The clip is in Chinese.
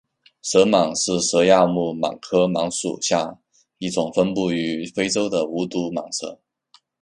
球蟒是蛇亚目蟒科蟒属下一种分布于非洲的无毒蟒蛇。